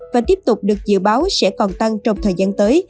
và tiếp tục được dự báo sẽ còn tăng trong thời gian tới